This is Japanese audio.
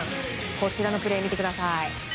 こちらのプレーを見てください。